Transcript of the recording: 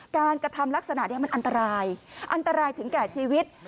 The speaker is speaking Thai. กระทำลักษณะนี้มันอันตรายอันตรายถึงแก่ชีวิต